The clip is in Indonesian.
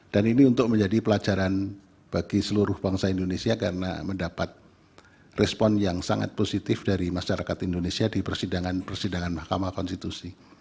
dan ini untuk menjadi pelajaran bagi seluruh bangsa indonesia karena mendapat respon yang sangat positif dari masyarakat indonesia di persidangan persidangan mahkamah konstitusi